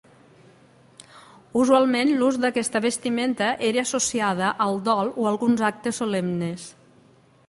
Usualment l'ús d'aquesta vestimenta era associada al dol o alguns actes solemnes.